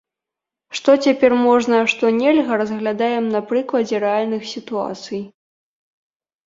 Што цяпер можна, а што нельга, разглядаем на прыкладзе рэальных сітуацый.